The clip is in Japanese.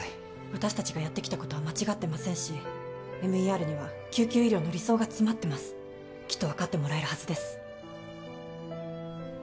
私達がやってきたことは間違ってませんしＭＥＲには救急医療の理想が詰まってますきっと分かってもらえるはずです